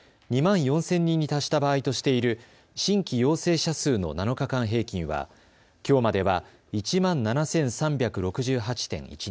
２万４０００人に達した場合としている新規陽性者数の７日間平均はきょうまでは１万７３６８．１人です。